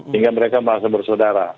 hingga mereka merasa bersodara